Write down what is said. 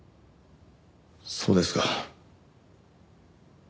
そうですか。